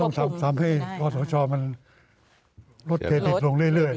ก็ต้องทำให้ข้าวทชมันลดเทรดิตลงเรื่อย